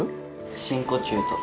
深呼吸とか。